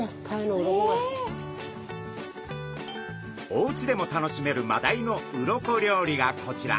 おうちでも楽しめるマダイの鱗料理がこちら。